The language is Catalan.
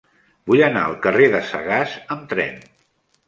Vull anar al carrer de Sagàs amb tren.